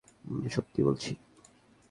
আমি সত্যি বলছি।